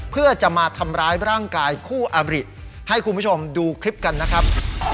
เพื่อจะมาทำร้ายร่างกายคู่อบริให้คุณผู้ชมดูคลิปกันนะครับ